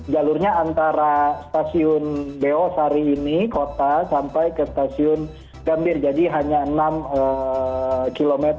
jalurnya antara stasiun beosari ini kota sampai ke stasiun gambir jadi hanya enam km